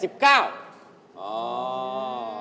ไม่ใช่แสงแกนี้